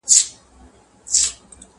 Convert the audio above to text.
پر سر یې واوري اوروي پای یې ګلونه،